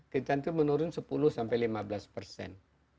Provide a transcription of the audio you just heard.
kita itu menurun sepuluh sampai lima belas persen